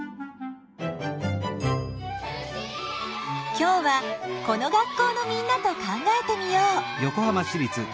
今日はこの学校のみんなと考えてみよう！